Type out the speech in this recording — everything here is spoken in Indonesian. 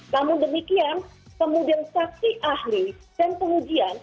namun demikian kemudian saksi ahli dan pengujian